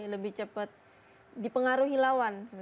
lebih cepat dipengaruhi lawan